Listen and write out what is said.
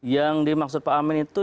yang dimaksud pak amin itu